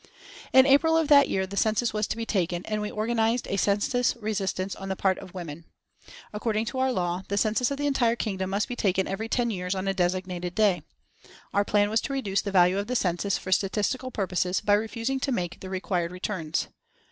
In April of that year the census was to be taken, and we organised a census resistance on the part of women. According to our law the census of the entire kingdom must be taken every ten years on a designated day. Our plan was to reduce the value of the census for statistical purposes by refusing to make the required returns.